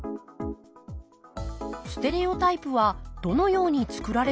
ステレオタイプはどのように作られるのでしょうか？